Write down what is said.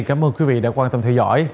cảm ơn quý vị đã quan tâm theo dõi